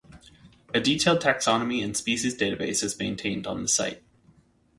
A detailed taxonomy and species database is maintained on the site.